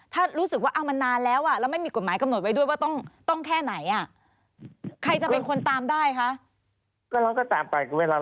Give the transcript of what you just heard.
ถ้ารู้สึกว่าเอามันนานแล้วแล้วไม่มีกฎหมายกำหนดไว้ด้วยว่าต้องแค่ไหน